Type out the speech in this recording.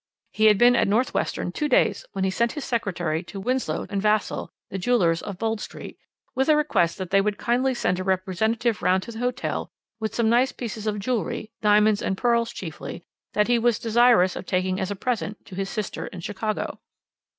He had been at the North Western two days when he sent his secretary to Window and Vassall, the jewellers of Bold Street, with a request that they would kindly send a representative round to the hotel with some nice pieces of jewellery, diamonds and pearls chiefly, which he was desirous of taking as a present to his sister in Chicago.